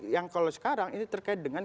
yang kalau sekarang ini terkait dengan